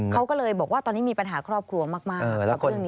เขาก็เลยบอกว่าตอนนี้มีปัญหาครอบครัวมาก